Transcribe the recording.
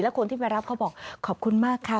คนที่ไปรับเขาบอกขอบคุณมากค่ะ